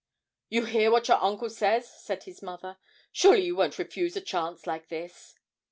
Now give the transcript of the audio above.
'You hear what your uncle says?' said his mother. 'Surely you won't refuse a chance like this.'